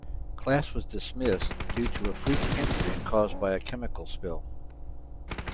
Class was dismissed due to a freak incident caused by a chemical spill.